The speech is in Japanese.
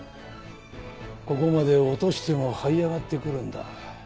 ここまで落としてもはい上がって来るんだ。